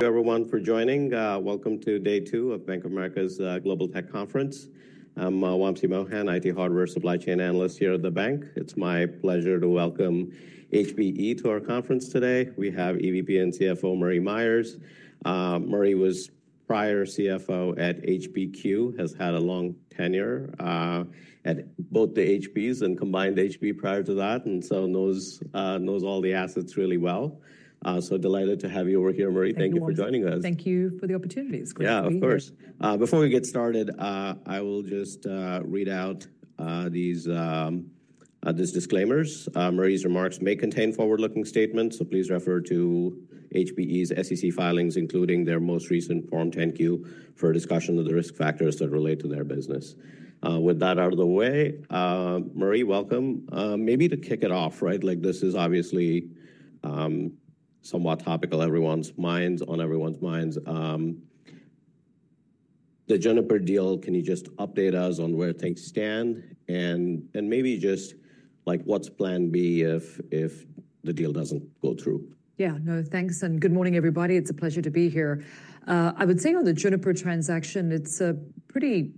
Everyone for joining. Welcome to day two of Bank of America's global tech conference. I'm Wamsi Mohan, IT Hardware Supply Chain Analyst here at the bank. It's my pleasure to welcome HPE to our conference today. We have EVP and CFO Marie Myers. Marie was prior CFO at HPQ, has had a long tenure at both the HPs and combined HP prior to that, and so knows all the assets really well. Delighted to have you over here, Marie. Thank you for joining us. Thank you for the opportunity. It's great to be here. Yeah, of course. Before we get started, I will just read out these disclaimers. Marie's remarks may contain forward-looking statements, so please refer to HPE's SEC filings, including their most recent Form 10-Q for a discussion of the risk factors that relate to their business. With that out of the way, Marie, welcome. Maybe to kick it off, right? This is obviously somewhat topical, on everyone's minds. The Juniper deal, can you just update us on where things stand? And maybe just what's plan B if the deal doesn't go through? Yeah, no, thanks. Good morning, everybody. It's a pleasure to be here. I would say on the Juniper transaction, it's pretty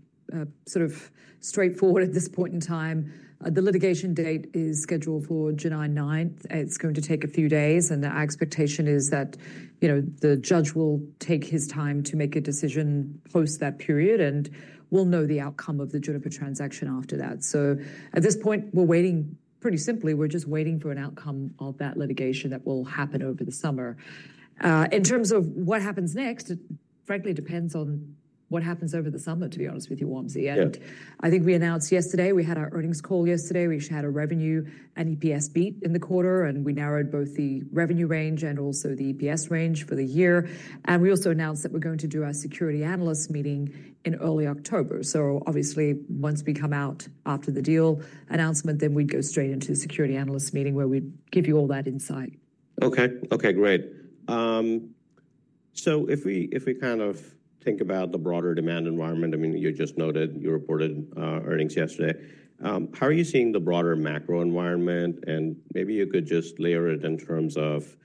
straightforward at this point in time. The litigation date is scheduled for July 9th. It's going to take a few days. The expectation is that the judge will take his time to make a decision post that period. We'll know the outcome of the Juniper transaction after that. At this point, we're waiting pretty simply. We're just waiting for an outcome of that litigation that will happen over the summer. In terms of what happens next, it frankly depends on what happens over the summer, to be honest with you, Wamsi. I think we announced yesterday, we had our earnings call yesterday. We had a revenue and EPS beat in the quarter. We narrowed both the revenue range and also the EPS range for the year. We also announced that we're going to do our security analyst meeting in early October. Obviously, once we come out after the deal announcement, we would go straight into the security analyst meeting where we would give you all that insight. Okay, okay, great. If we kind of think about the broader demand environment, I mean, you just noted you reported earnings yesterday. How are you seeing the broader macro environment? Maybe you could just layer it in terms of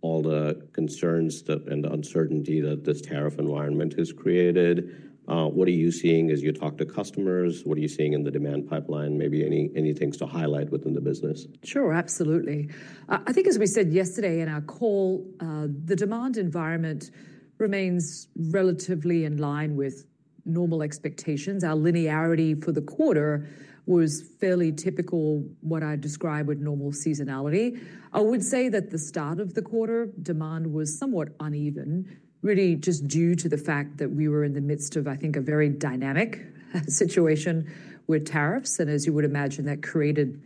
all the concerns and the uncertainty that this tariff environment has created. What are you seeing as you talk to customers? What are you seeing in the demand pipeline? Maybe any things to highlight within the business? Sure, absolutely. I think, as we said yesterday in our call, the demand environment remains relatively in line with normal expectations. Our linearity for the quarter was fairly typical, what I'd describe with normal seasonality. I would say that the start of the quarter demand was somewhat uneven, really just due to the fact that we were in the midst of, I think, a very dynamic situation with tariffs. As you would imagine, that created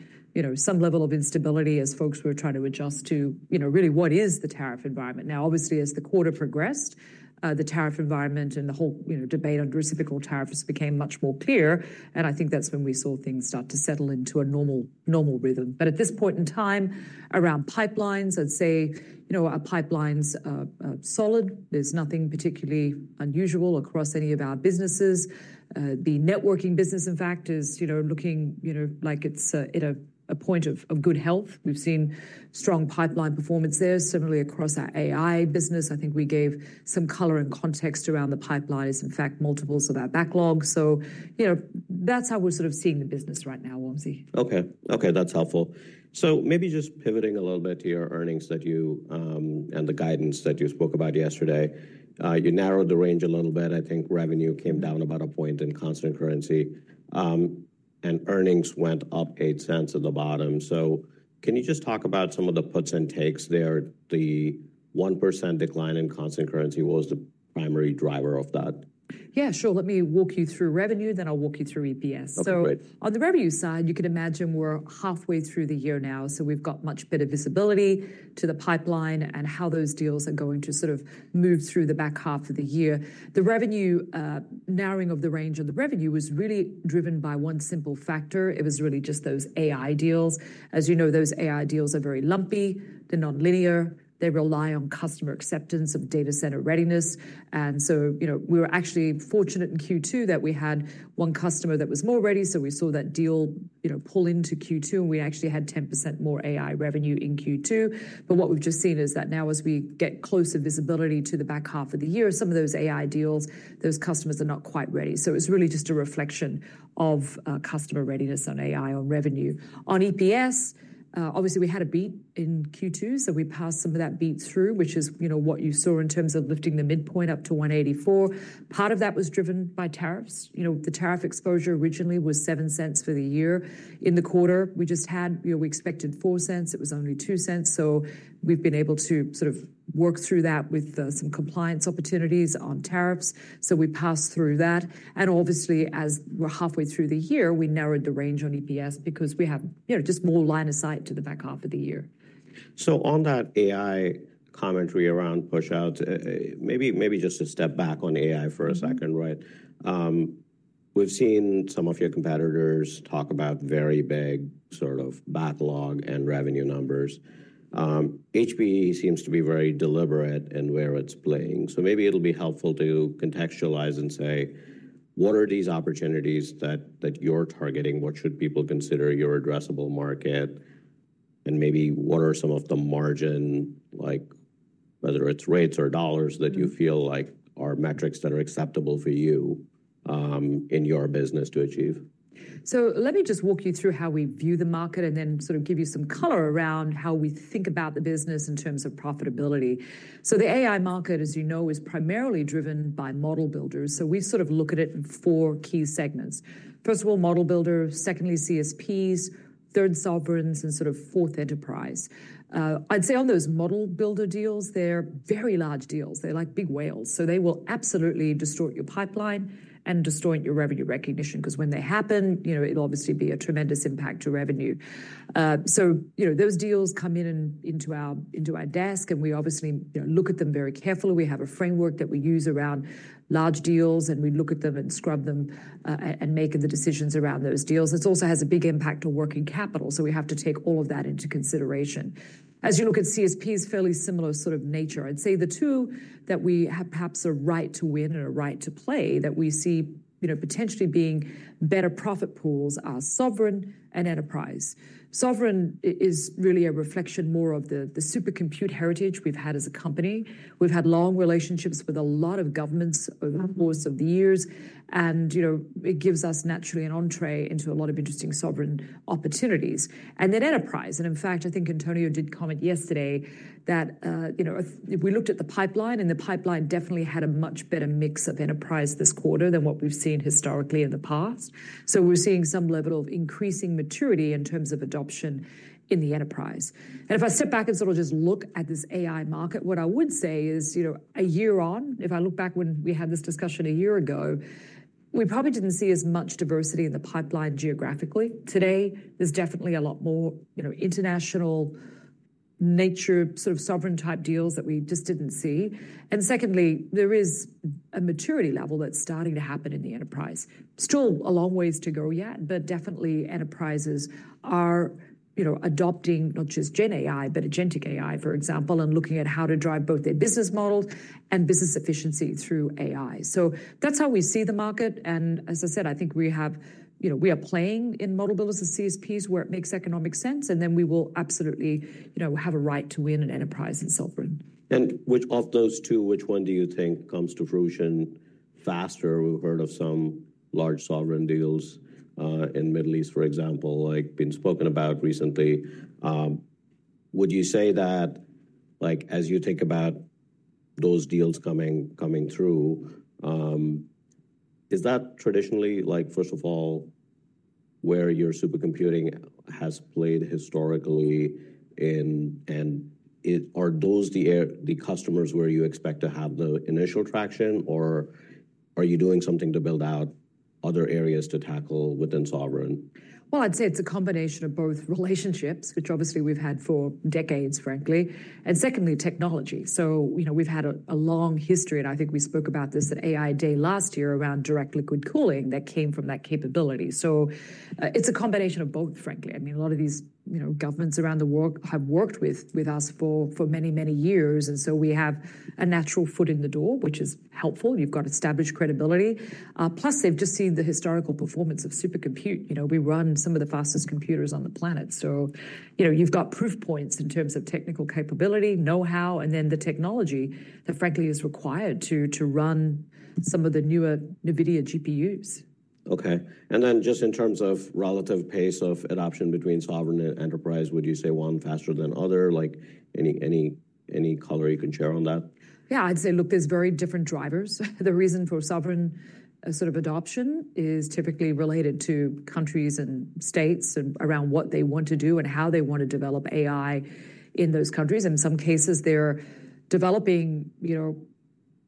some level of instability as folks were trying to adjust to really what is the tariff environment. Now, obviously, as the quarter progressed, the tariff environment and the whole debate on reciprocal tariffs became much more clear. I think that's when we saw things start to settle into a normal rhythm. At this point in time, around pipelines, I'd say our pipelines are solid. There's nothing particularly unusual across any of our businesses. The networking business, in fact, is looking like it's at a point of good health. We've seen strong pipeline performance there. Similarly, across our AI business, I think we gave some color and context around the pipeline is, in fact, multiples of our backlog. That's how we're sort of seeing the business right now, Wamsi. Okay, okay, that's helpful. Maybe just pivoting a little bit to your earnings and the guidance that you spoke about yesterday, you narrowed the range a little bit. I think revenue came down about a point in constant currency. Earnings went up $0.08 at the bottom. Can you just talk about some of the puts and takes there? The 1% decline in constant currency was the primary driver of that. Yeah, sure. Let me walk you through revenue, then I'll walk you through EPS. Okay, great. On the revenue side, you could imagine we're halfway through the year now. We've got much better visibility to the pipeline and how those deals are going to sort of move through the back half of the year. The narrowing of the range on the revenue was really driven by one simple factor. It was really just those AI deals. As you know, those AI deals are very lumpy. They're non-linear. They rely on customer acceptance of data center readiness. We were actually fortunate in Q2 that we had one customer that was more ready. We saw that deal pull into Q2, and we actually had 10% more AI revenue in Q2. What we've just seen is that now, as we get closer visibility to the back half of the year, some of those AI deals, those customers are not quite ready. It's really just a reflection of customer readiness on AI or revenue. On EPS, obviously, we had a beat in Q2. We passed some of that beat through, which is what you saw in terms of lifting the midpoint up to $1.84. Part of that was driven by tariffs. The tariff exposure originally was $0.07 for the year. In the quarter we just had, we expected $0.04. It was only $0.02. We've been able to sort of work through that with some compliance opportunities on tariffs. We passed through that. Obviously, as we're halfway through the year, we narrowed the range on EPS because we have just more line of sight to the back half of the year. On that AI commentary around push-outs, maybe just a step back on AI for a second, right? We've seen some of your competitors talk about very big sort of backlog and revenue numbers. HPE seems to be very deliberate in where it's playing. Maybe it'll be helpful to contextualize and say, what are these opportunities that you're targeting? What should people consider your addressable market? Maybe what are some of the margin, whether it's rates or dollars, that you feel like are metrics that are acceptable for you in your business to achieve? Let me just walk you through how we view the market and then sort of give you some color around how we think about the business in terms of profitability. The AI market, as you know, is primarily driven by model builders. We sort of look at it in four key segments. First of all, model builders. Secondly, CSPs. Third, sovereigns. And sort of fourth, enterprise. I'd say on those model builder deals, they're very large deals. They're like big whales. They will absolutely distort your pipeline and distort your revenue recognition. Because when they happen, it'll obviously be a tremendous impact to revenue. Those deals come in into our desk, and we obviously look at them very carefully. We have a framework that we use around large deals, and we look at them and scrub them and make the decisions around those deals. This also has a big impact on working capital. We have to take all of that into consideration. As you look at CSPs, fairly similar sort of nature. I'd say the two that we have perhaps a right to win and a right to play that we see potentially being better profit pools are sovereign and enterprise. Sovereign is really a reflection more of the supercomputing heritage we've had as a company. We've had long relationships with a lot of governments over the course of the years. It gives us naturally an entree into a lot of interesting sovereign opportunities. Then enterprise. In fact, I think Antonio did comment yesterday that we looked at the pipeline, and the pipeline definitely had a much better mix of enterprise this quarter than what we've seen historically in the past. We're seeing some level of increasing maturity in terms of adoption in the enterprise. If I step back and sort of just look at this AI market, what I would say is a year on, if I look back when we had this discussion a year ago, we probably didn't see as much diversity in the pipeline geographically. Today, there's definitely a lot more international nature, sort of sovereign type deals that we just didn't see. Secondly, there is a maturity level that's starting to happen in the enterprise. Still a long ways to go yet, but definitely enterprises are adopting not just GenAI, but agentic AI, for example, and looking at how to drive both their business models and business efficiency through AI. That's how we see the market. As I said, I think we are playing in model builders and CSPs where it makes economic sense. We will absolutely have a right to win in enterprise and sovereign. Which of those two, which one do you think comes to fruition faster? We've heard of some large sovereign deals in the Middle East, for example, being spoken about recently. Would you say that as you think about those deals coming through, is that traditionally, first of all, where your supercomputing has played historically? Are those the customers where you expect to have the initial traction? Are you doing something to build out other areas to tackle within sovereign? I’d say it’s a combination of both relationships, which obviously we’ve had for decades, frankly. Secondly, technology. We’ve had a long history. I think we spoke about this at AI Day last year around direct liquid cooling that came from that capability. It’s a combination of both, frankly. I mean, a lot of these governments around the world have worked with us for many, many years. We have a natural foot in the door, which is helpful. You’ve got established credibility. Plus, they’ve just seen the historical performance of supercomputing. We run some of the fastest computers on the planet. You’ve got proof points in terms of technical capability, know-how, and then the technology that, frankly, is required to run some of the newer NVIDIA GPUs. Okay. And then just in terms of relative pace of adoption between sovereign and enterprise, would you say one faster than the other? Any color you can share on that? Yeah, I'd say, look, there's very different drivers. The reason for sovereign sort of adoption is typically related to countries and states and around what they want to do and how they want to develop AI in those countries. In some cases, they're developing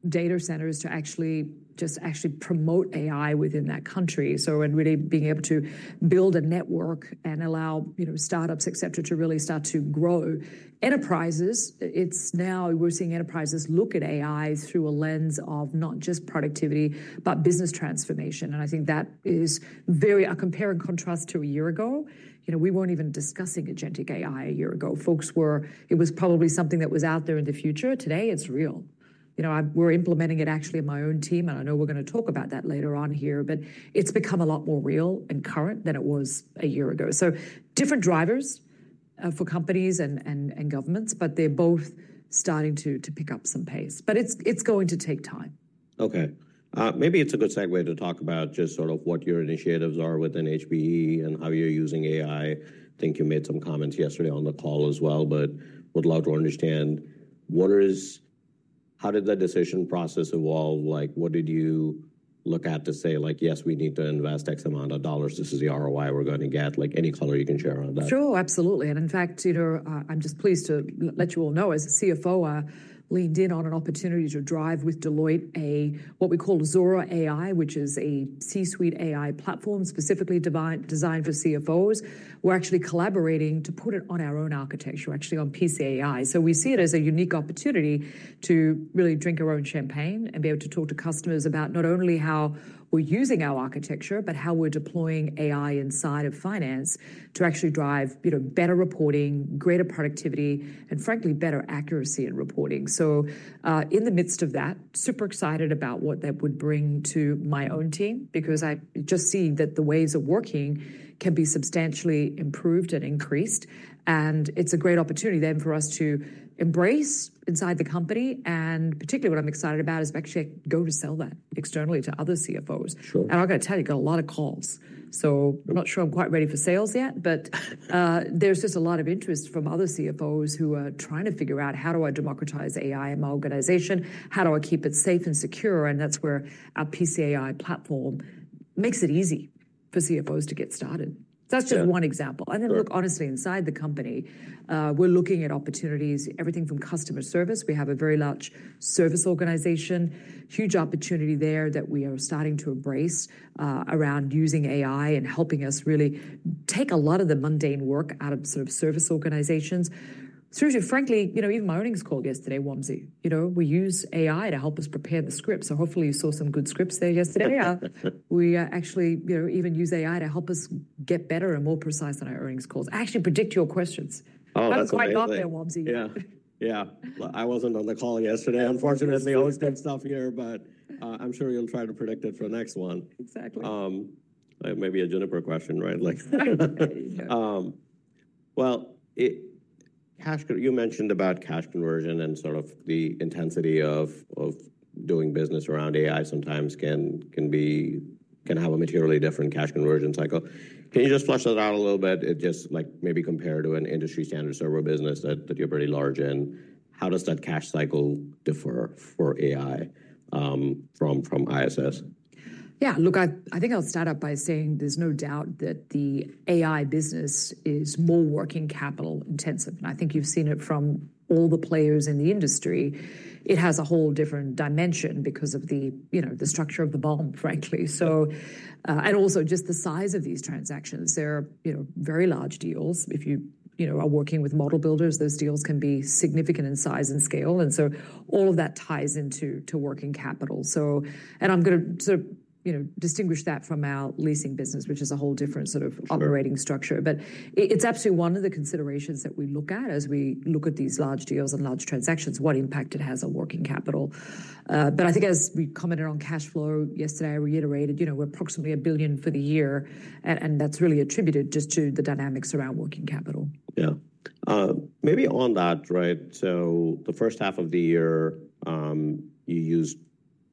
data centers to actually just promote AI within that country. In really being able to build a network and allow startups, et cetera, to really start to grow. Enterprises, we're seeing enterprises look at AI through a lens of not just productivity, but business transformation. I think that is very a compare and contrast to a year ago. We weren't even discussing agentic AI a year ago. It was probably something that was out there in the future. Today, it's real. We're implementing it actually in my own team. I know we're going to talk about that later on here. It's become a lot more real and current than it was a year ago. Different drivers for companies and governments, but they're both starting to pick up some pace. It's going to take time. Okay. Maybe it's a good segue to talk about just sort of what your initiatives are within HPE and how you're using AI. I think you made some comments yesterday on the call as well, but would love to understand what is how did that decision process evolve? What did you look at to say, like, yes, we need to invest X amount of dollars. This is the ROI we're going to get. Any color you can share on that? Sure, absolutely. In fact, I'm just pleased to let you all know, as a CFO, I leaned in on an opportunity to drive with Deloitte a what we call Zora AI, which is a C-suite AI platform specifically designed for CFOs. We're actually collaborating to put it on our own architecture, actually on PCAI. We see it as a unique opportunity to really drink our own champagne and be able to talk to customers about not only how we're using our architecture, but how we're deploying AI inside of finance to actually drive better reporting, greater productivity, and frankly, better accuracy in reporting. In the midst of that, super excited about what that would bring to my own team because I just see that the ways of working can be substantially improved and increased. It's a great opportunity then for us to embrace inside the company. Particularly what I'm excited about is actually I go to sell that externally to other CFOs. I've got to tell you, I've got a lot of calls. I'm not sure I'm quite ready for sales yet, but there's just a lot of interest from other CFOs who are trying to figure out how do I democratize AI in my organization? How do I keep it safe and secure? That's where our PCAI platform makes it easy for CFOs to get started. That's just one example. Honestly, inside the company, we're looking at opportunities, everything from customer service. We have a very large service organization, huge opportunity there that we are starting to embrace around using AI and helping us really take a lot of the mundane work out of sort of service organizations. Frankly, even my earnings call yesterday, Wamsi, we use AI to help us prepare the scripts. Hopefully you saw some good scripts there yesterday. We actually even use AI to help us get better and more precise on our earnings calls. I actually predict your questions. Oh, that's great. That's quite not there, Wamsi. Yeah, yeah. I wasn't on the call yesterday, unfortunately. I always get stuff here, but I'm sure you'll try to predict it for the next one. Exactly. Maybe a Juniper question, right? You mentioned about cash conversion and sort of the intensity of doing business around AI sometimes can have a materially different cash conversion cycle. Can you just flush that out a little bit? Just maybe compare to an industry standard server business that you're pretty large in. How does that cash cycle differ for AI from ISS? Yeah, look, I think I'll start out by saying there's no doubt that the AI business is more working capital intensive. I think you've seen it from all the players in the industry. It has a whole different dimension because of the structure of the BOM, frankly. Also just the size of these transactions. They're very large deals. If you are working with model builders, those deals can be significant in size and scale. All of that ties into working capital. I'm going to sort of distinguish that from our leasing business, which is a whole different sort of operating structure. It's absolutely one of the considerations that we look at as we look at these large deals and large transactions, what impact it has on working capital. I think as we commented on cash flow yesterday, I reiterated we're approximately $1 billion for the year. That's really attributed just to the dynamics around working capital. Yeah. Maybe on that, right? The first half of the year, you used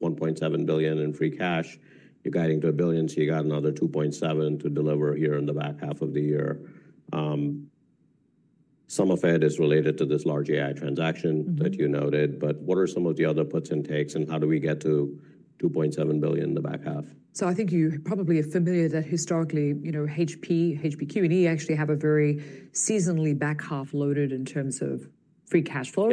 $1.7 billion in free cash. You're guiding to a billion. You got another $2.7 billion to deliver here in the back half of the year. Some of it is related to this large AI transaction that you noted. What are some of the other puts and takes? How do we get to $2.7 billion in the back half? I think you probably are familiar that historically, HP, HPQ, and E actually have a very seasonally back half loaded in terms of free cash flow.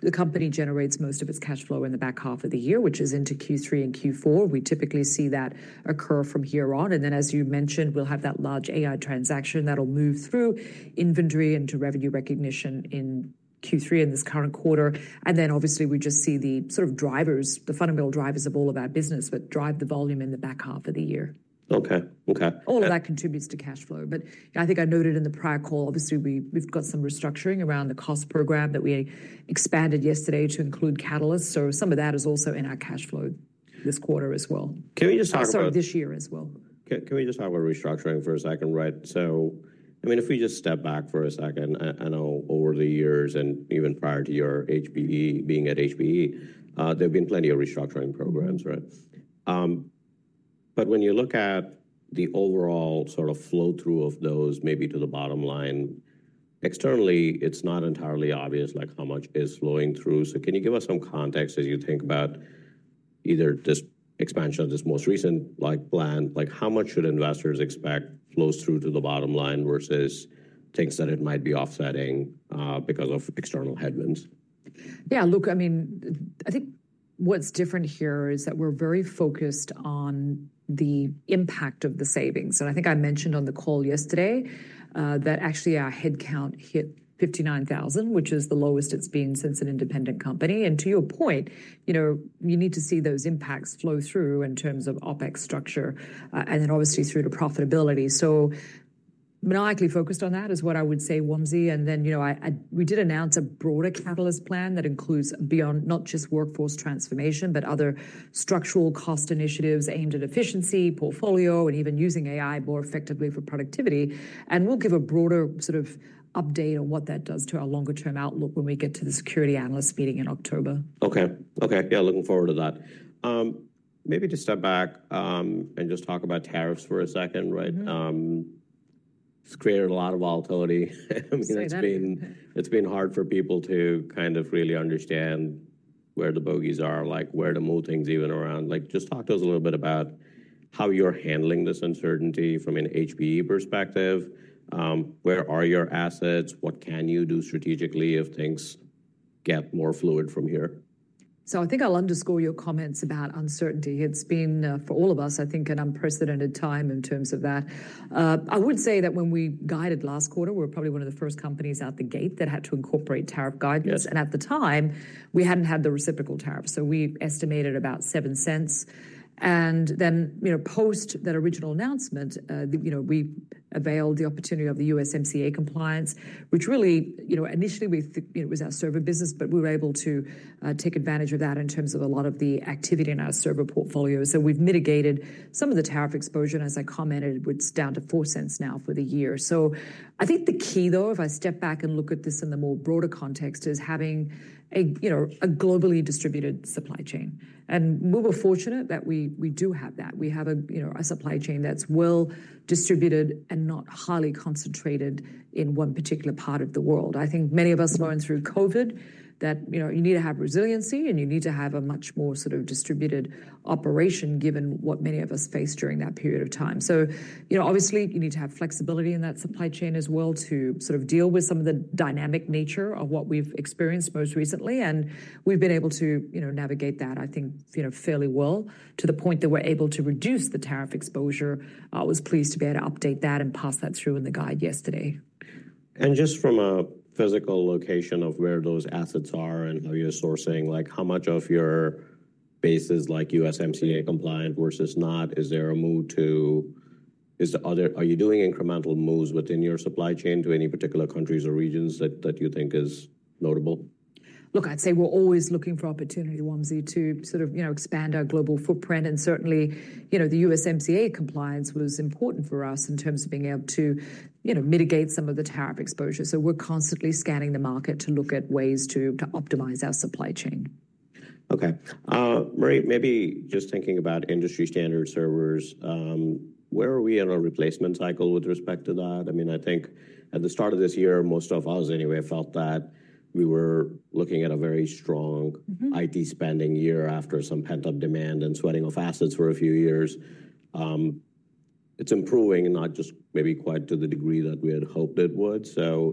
The company generates most of its cash flow in the back half of the year, which is into Q3 and Q4. We typically see that occur from here on. As you mentioned, we'll have that large AI transaction that'll move through inventory into revenue recognition in Q3 in this current quarter. Obviously, we just see the sort of drivers, the fundamental drivers of all of our business that drive the volume in the back half of the year. Okay, okay. All of that contributes to cash flow. I think I noted in the prior call, obviously, we've got some restructuring around the cost program that we expanded yesterday to include catalysts. Some of that is also in our cash flow this quarter as well. Can we just talk about? Some this year as well. Can we just talk about restructuring for a second, right? I mean, if we just step back for a second, I know over the years and even prior to your being at HPE, there have been plenty of restructuring programs, right? When you look at the overall sort of flow through of those, maybe to the bottom line, externally, it's not entirely obvious how much is flowing through. Can you give us some context as you think about either this expansion of this most recent plan? How much should investors expect flows through to the bottom line versus things that it might be offsetting because of external headwinds? Yeah, look, I mean, I think what's different here is that we're very focused on the impact of the savings. I think I mentioned on the call yesterday that actually our headcount hit 59,000, which is the lowest it's been since an independent company. To your point, you need to see those impacts flow through in terms of OpEx structure and then obviously through to profitability. [Monolocally] focused on that is what I would say, Wamsi. We did announce a broader catalyst plan that includes beyond not just workforce transformation, but other structural cost initiatives aimed at efficiency, portfolio, and even using AI more effectively for productivity. We'll give a broader sort of update on what that does to our longer-term outlook when we get to the security analyst meeting in October. Okay, okay. Yeah, looking forward to that. Maybe to step back and just talk about tariffs for a second, right? It has created a lot of volatility. I mean, it has been hard for people to kind of really understand where the bogeys are, where to move things even around. Just talk to us a little bit about how you are handling this uncertainty from an HPE perspective. Where are your assets? What can you do strategically if things get more fluid from here? I think I'll underscore your comments about uncertainty. It's been, for all of us, I think, an unprecedented time in terms of that. I would say that when we guided last quarter, we were probably one of the first companies out the gate that had to incorporate tariff guidance. At the time, we hadn't had the reciprocal tariff. We estimated about $0.07. Post that original announcement, we availed the opportunity of the USMCA compliance, which really initially was our server business, but we were able to take advantage of that in terms of a lot of the activity in our server portfolio. We've mitigated some of the tariff exposure. As I commented, it's down to $0.04 now for the year. I think the key, though, if I step back and look at this in the more broader context, is having a globally distributed supply chain. We were fortunate that we do have that. We have a supply chain that's well distributed and not highly concentrated in one particular part of the world. I think many of us learned through COVID that you need to have resiliency and you need to have a much more sort of distributed operation given what many of us faced during that period of time. Obviously, you need to have flexibility in that supply chain as well to sort of deal with some of the dynamic nature of what we've experienced most recently. We've been able to navigate that, I think, fairly well to the point that we're able to reduce the tariff exposure. I was pleased to be able to update that and pass that through in the guide yesterday. Just from a physical location of where those assets are and how you're sourcing, how much of your base is USMCA compliant versus not? Is there a move to, are you doing incremental moves within your supply chain to any particular countries or regions that you think is notable? Look, I'd say we're always looking for opportunity, Wamsi, to sort of expand our global footprint. Certainly, the USMCA compliance was important for us in terms of being able to mitigate some of the tariff exposure. We're constantly scanning the market to look at ways to optimize our supply chain. Okay. Marie, maybe just thinking about industry standard servers, where are we in our replacement cycle with respect to that? I mean, I think at the start of this year, most of us anyway felt that we were looking at a very strong IT spending year after some pent-up demand and sweating off assets for a few years. It's improving, not just maybe quite to the degree that we had hoped it would.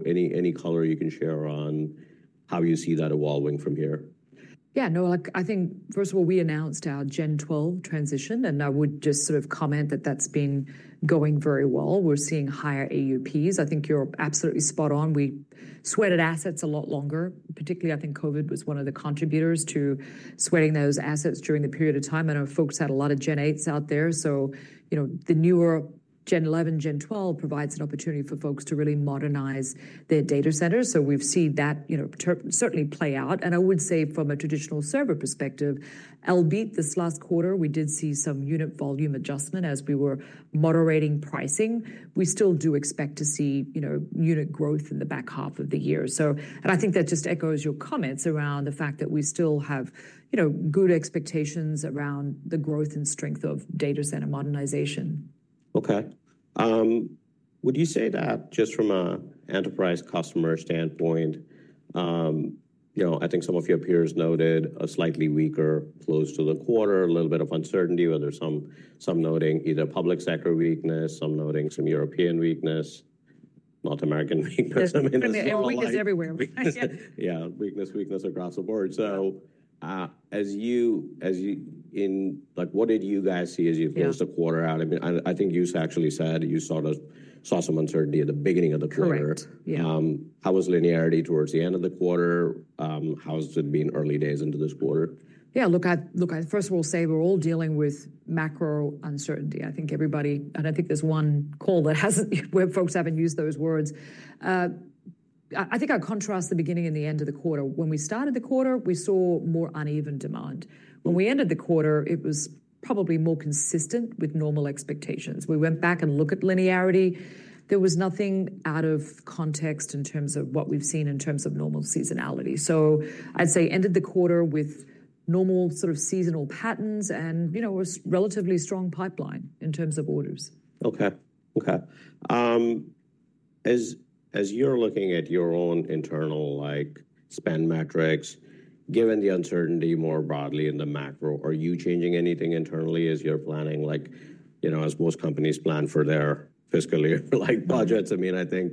Any color you can share on how you see that evolving from here? Yeah, no, I think, first of all, we announced our Gen12 transition. I would just sort of comment that that's been going very well. We're seeing higher AUPs. I think you're absolutely spot on. We sweated assets a lot longer, particularly, I think COVID was one of the contributors to sweating those assets during the period of time. I know folks had a lot of Gen8s out there. The newer Gen11, Gen12 provides an opportunity for folks to really modernize their data centers. We've seen that certainly play out. I would say from a traditional server perspective, albeit, this last quarter, we did see some unit volume adjustment as we were moderating pricing. We still do expect to see unit growth in the back half of the year. I think that just echoes your comments around the fact that we still have good expectations around the growth and strength of data center modernization. Okay. Would you say that just from an enterprise customer standpoint, I think some of your peers noted a slightly weaker close to the quarter, a little bit of uncertainty, whether some noting either public sector weakness, some noting some European weakness, North American weakness. Every weakness everywhere. Yeah, weakness, weakness across the board. What did you guys see as you closed the quarter out? I mean, I think you actually said you saw some uncertainty at the beginning of the quarter. Correct. How was linearity towards the end of the quarter? How has it been early days into this quarter? Yeah, look, first of all, say we're all dealing with macro uncertainty. I think everybody, and I think there's one call that folks haven't used those words. I think I contrast the beginning and the end of the quarter. When we started the quarter, we saw more uneven demand. When we ended the quarter, it was probably more consistent with normal expectations. We went back and looked at linearity. There was nothing out of context in terms of what we've seen in terms of normal seasonality. I'd say ended the quarter with normal sort of seasonal patterns and a relatively strong pipeline in terms of orders. Okay, okay. As you're looking at your own internal spend metrics, given the uncertainty more broadly in the macro, are you changing anything internally as you're planning? As most companies plan for their fiscal year budgets, I mean, I think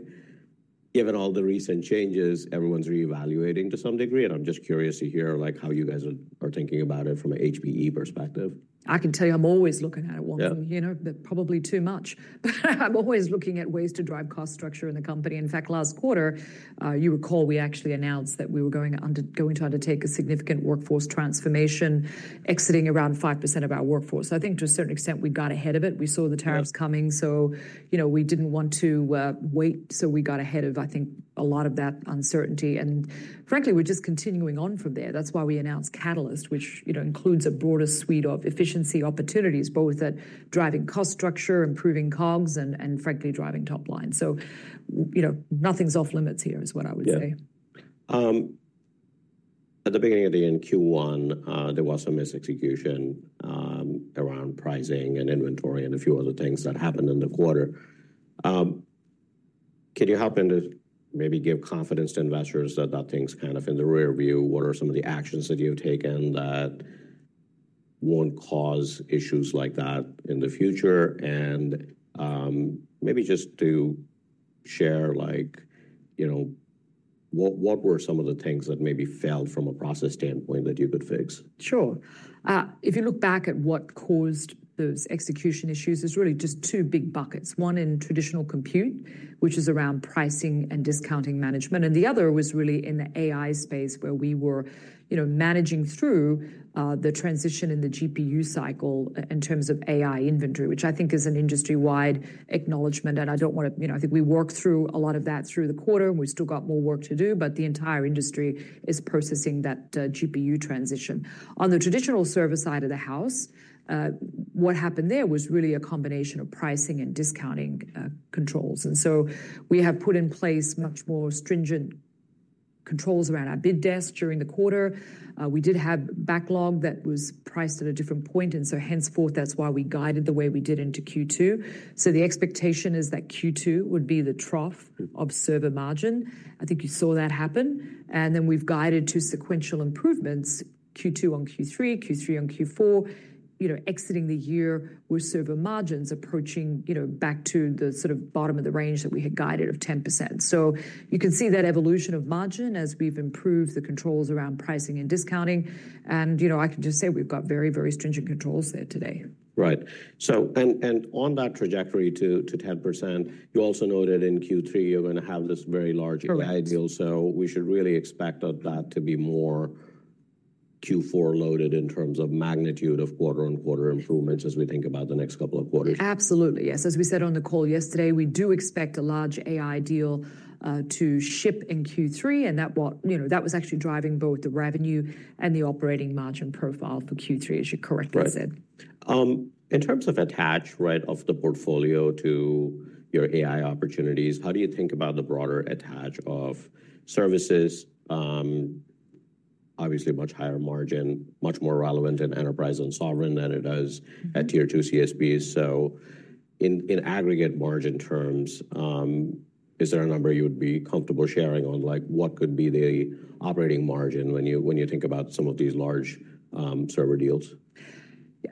given all the recent changes, everyone's reevaluating to some degree. I'm just curious to hear how you guys are thinking about it from an HPE perspective. I can tell you I'm always looking at it, Wamsi. Probably too much. But I'm always looking at ways to drive cost structure in the company. In fact, last quarter, you recall we actually announced that we were going to undertake a significant workforce transformation, exiting around 5% of our workforce. I think to a certain extent, we got ahead of it. We saw the tariffs coming. We did not want to wait. We got ahead of, I think, a lot of that uncertainty. Frankly, we're just continuing on from there. That is why we announced Catalyst, which includes a broader suite of efficiency opportunities, both at driving cost structure, improving COGS, and frankly, driving top line. Nothing's off limits here is what I would say. Yeah. At the beginning of the year, in Q1, there was some mis-execution around pricing and inventory and a few other things that happened in the quarter. Can you help me to maybe give confidence to investors that that thing's kind of in the rearview? What are some of the actions that you've taken that won't cause issues like that in the future? Maybe just to share, what were some of the things that maybe failed from a process standpoint that you could fix? Sure. If you look back at what caused those execution issues, there's really just two big buckets. One in traditional compute, which is around pricing and discounting management. The other was really in the AI space where we were managing through the transition in the GPU cycle in terms of AI inventory, which I think is an industry-wide acknowledgment. I think we worked through a lot of that through the quarter. We've still got more work to do. The entire industry is processing that GPU transition. On the traditional server side of the house, what happened there was really a combination of pricing and discounting controls. We have put in place much more stringent controls around our bid desk during the quarter. We did have backlog that was priced at a different point. Henceforth, that's why we guided the way we did into Q2. The expectation is that Q2 would be the trough of server margin. I think you saw that happen. We've guided to sequential improvements, Q2 on Q3, Q3 on Q4, exiting the year with server margins approaching back to the sort of bottom of the range that we had guided of 10%. You can see that evolution of margin as we've improved the controls around pricing and discounting. I can just say we've got very, very stringent controls there today. Right. On that trajectory to 10%, you also noted in Q3, you're going to have this very large AI deal. We should really expect that to be more Q4 loaded in terms of magnitude of quarter-on-quarter improvements as we think about the next couple of quarters. Absolutely, yes. As we said on the call yesterday, we do expect a large AI deal to ship in Q3. That was actually driving both the revenue and the operating margin profile for Q3, as you correctly said. Right. In terms of attach of the portfolio to your AI opportunities, how do you think about the broader attach of services? Obviously, much higher margin, much more relevant in enterprise and sovereign than it is at tier two CSPs. In aggregate margin terms, is there a number you would be comfortable sharing on what could be the operating margin when you think about some of these large server deals?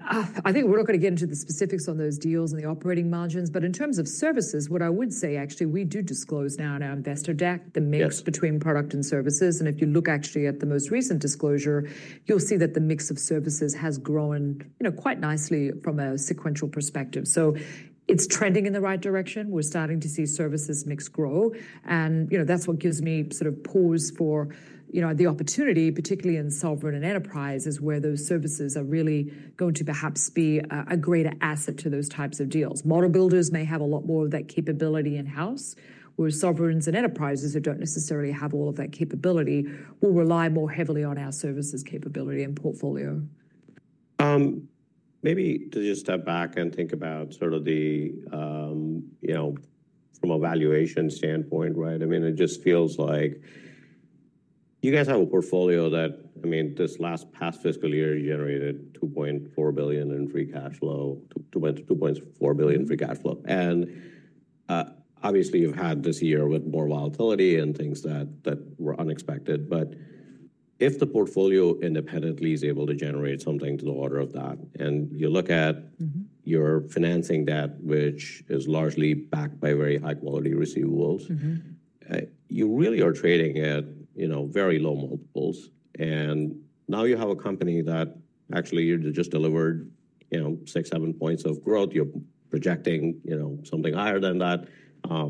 I think we're not going to get into the specifics on those deals and the operating margins. In terms of services, what I would say, actually, we do disclose now in our investor deck the mix between product and services. If you look actually at the most recent disclosure, you'll see that the mix of services has grown quite nicely from a sequential perspective. It is trending in the right direction. We're starting to see services mix grow. That is what gives me sort of pause for the opportunity, particularly in sovereign and enterprises, where those services are really going to perhaps be a greater asset to those types of deals. Model builders may have a lot more of that capability in-house, whereas sovereigns and enterprises who do not necessarily have all of that capability will rely more heavily on our services capability and portfolio. Maybe to just step back and think about sort of the from a valuation standpoint, right? I mean, it just feels like you guys have a portfolio that, I mean, this last past fiscal year generated $2.4 billion in free cash flow, went to $2.4 billion free cash flow. Obviously, you've had this year with more volatility and things that were unexpected. If the portfolio independently is able to generate something to the order of that, and you look at your financing debt, which is largely backed by very high-quality receivables, you really are trading at very low multiples. Now you have a company that actually just delivered six, seven points of growth. You're projecting something higher than that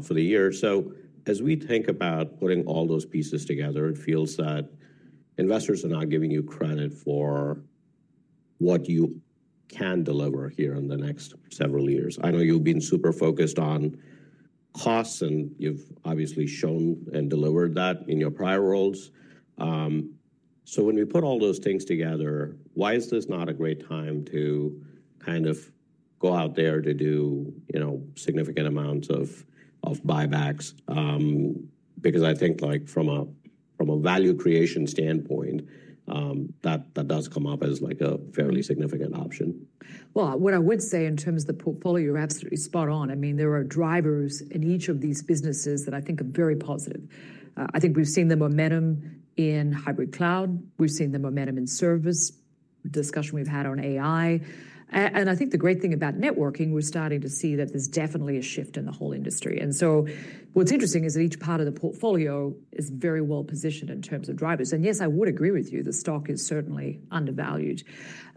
for the year. As we think about putting all those pieces together, it feels that investors are not giving you credit for what you can deliver here in the next several years. I know you've been super focused on costs, and you've obviously shown and delivered that in your prior roles. When we put all those things together, why is this not a great time to kind of go out there to do significant amounts of buybacks? Because I think from a value creation standpoint, that does come up as a fairly significant option. What I would say in terms of the portfolio, you're absolutely spot on. I mean, there are drivers in each of these businesses that I think are very positive. I think we've seen the momentum in hybrid cloud. We've seen the momentum in service. Discussion we've had on AI. I think the great thing about networking, we're starting to see that there's definitely a shift in the whole industry. What's interesting is that each part of the portfolio is very well positioned in terms of drivers. Yes, I would agree with you. The stock is certainly undervalued.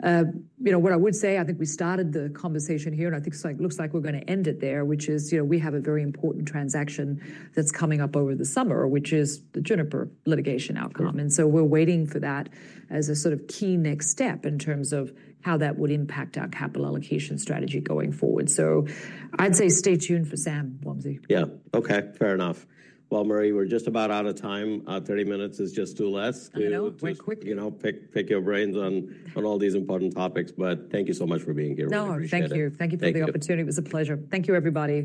What I would say, I think we started the conversation here, and I think it looks like we're going to end it there, which is we have a very important transaction that's coming up over the summer, which is the Juniper litigation outcome. We're waiting for that as a sort of key next step in terms of how that would impact our capital allocation strategy going forward. I'd say stay tuned for Sam, Wamsi. Yeah, okay, fair enough. Marie, we're just about out of time. 30 minutes is just too less. I know, it went quickly. Pick your brains on all these important topics. Thank you so much for being here. No, thank you. Thank you for the opportunity. It was a pleasure. Thank you, everybody.